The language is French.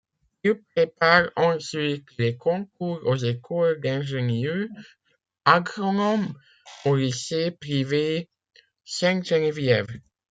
Il prépare ensuite les concours aux écoles d'ingénieurs agronomes au lycée privé Sainte-Geneviève.